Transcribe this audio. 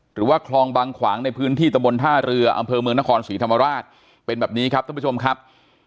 หรือว่าคลองบางขวางในพื้นที่ตะบนท่าเรืออำเภอเมืองนครศรีธรรมราชเป็นแบบนี้ครับท่านผู้ชมครับ